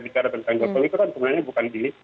bicara tentang jokowi itu kan sebenarnya bukan di